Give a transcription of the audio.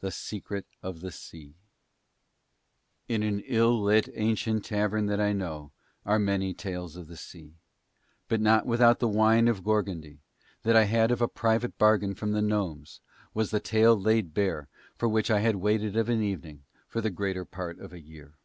The Secret of the Sea In an ill lit ancient tavern that I know, are many tales of the sea; but not without the wine of Gorgondy, that I had of a private bargain from the gnomes, was the tale laid bare for which I had waited of an evening for the greater part of a year.